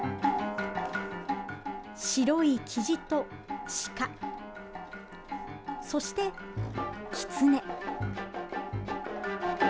白いキジとシカ、そしてキツネ。